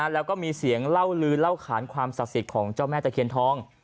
แล้วก็มีเสียงเล่าลืนเล่าขานความศักดิ์สิทธิ์ของเจ้าแม่ตะเคียนทอง